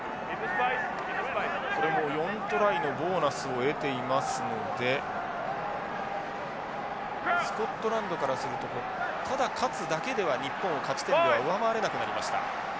これもう４トライのボーナスを得ていますのでスコットランドからするとただ勝つだけでは日本を勝ち点では上回れなくなりました。